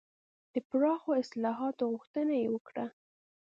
د پراخو اصلاحاتو غوښتنه یې وکړه.